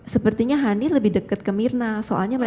sepertinya hani lebih dekat ke myrna soalnya mereka ambil jurusan yang